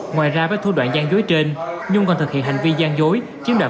ngoài ra với thu đoạn gian dối trên nhung còn thực hiện hành vi gian dối chiếm đoạt